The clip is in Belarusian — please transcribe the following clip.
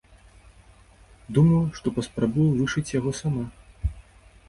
Думаю, што паспрабую вышыць яго сама!